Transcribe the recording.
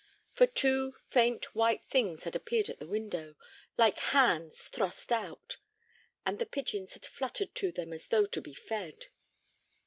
For two faint, white things had appeared at the window, like hands thrust out, and the pigeons had fluttered to them as though to be fed.